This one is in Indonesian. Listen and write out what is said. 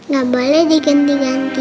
gak boleh diganti ganti